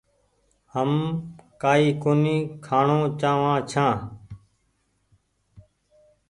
هم ڪآئي ڪونيٚ کآڻو چآوآن ڇآن۔